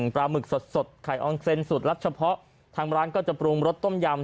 หมึกสดไข่อองเซ็นสูตรลับเฉพาะทางร้านก็จะปรุงรสต้มยำ